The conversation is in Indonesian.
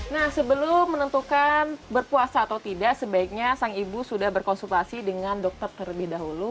nah sebelum menentukan berpuasa atau tidak sebaiknya sang ibu sudah berkonsultasi dengan dokter terlebih dahulu